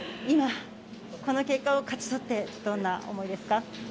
今、この結果を勝ち取ってどんな思いですか？